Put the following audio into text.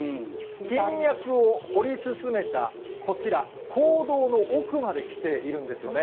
金脈を掘り進めたこちら、坑道の奥まで来ているんですよね。